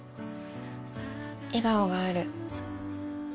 笑顔がある。